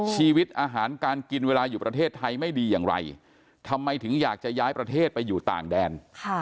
ชีวิตอาหารการกินเวลาอยู่ประเทศไทยไม่ดีอย่างไรทำไมถึงอยากจะย้ายประเทศไปอยู่ต่างแดน